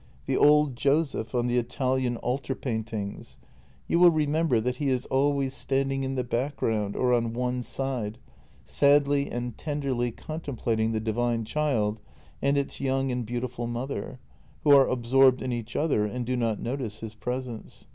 The old Joseph on the Italian altar JENNY 250 paintings. You will remember that he is always standing in the background, or on one side, sadly and tenderly contemplat ing the Divine Child and its young and beautiful mother, who are absorbed in each other and do not notice his presence.